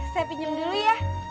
saya pinjem dulu ya